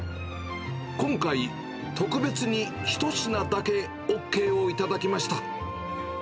今回、特別に一品だけＯＫをいただきました。